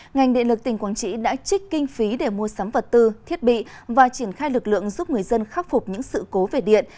ngành điện lực tỉnh quảng trị đã trích kinh phí để mua sắm vật tư thiết bị và triển khai lực lượng giúp người dân khắc phục những sự cố về điện